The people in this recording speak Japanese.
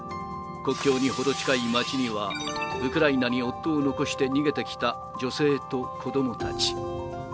国境に程近い町には、ウクライナに夫を残して逃げてきた女性と子どもたち。